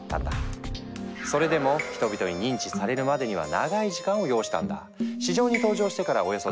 それでも人々に認知されるまでには長い時間を要したんだ。